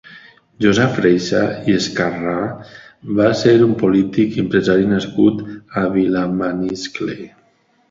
Josep Freixa i Escarrà va ser un polític i empresari nascut a Vilamaniscle.